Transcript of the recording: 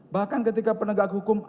bahkan ketika penegak hukum